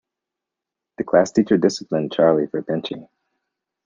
The classteacher disciplined Charlie for pinching.